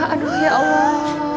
aduh ya allah